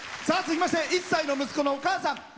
さあ続きまして１歳の息子のお母さん。